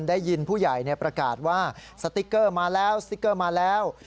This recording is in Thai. ได้ยินผู้ใหญ่ประกาศว่าสติ๊กเกอร์มาแล้วสติ๊กเกอร์มาแล้ว